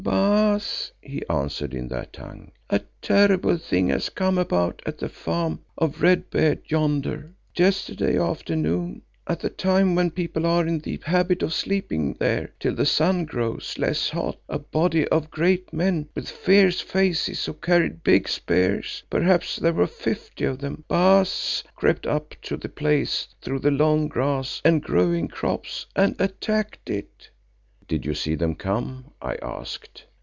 "Baas," he answered in that tongue, "a terrible thing has come about at the farm of Red Beard yonder. Yesterday afternoon at the time when people are in the habit of sleeping there till the sun grows less hot, a body of great men with fierce faces who carried big spears—perhaps there were fifty of them, Baas—crept up to the place through the long grass and growing crops, and attacked it." "Did you see them come?" I asked.